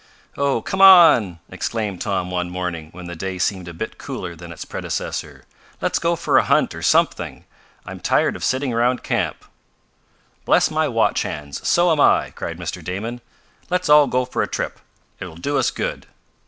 "Oh, come on!" exclaimed Tom one morning, when the day seemed a bit cooler than its predecessor. "Let's go for a hunt, or something! I'm tired of sitting around camp." "Bless my watch hands! So am I!" cried Mr. Damon. "Let's all go for a trip. It will do us good."